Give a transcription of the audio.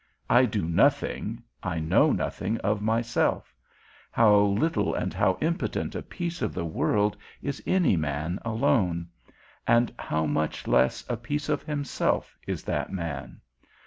I do nothing, I know nothing of myself; how little and how impotent a piece of the world is any man alone? And how much less a piece of himself is that man?